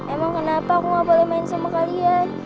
emang kenapa aku nggak boleh main sama kalian